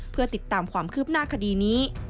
เพื่อติดตามความคืบหน้าคดีนี้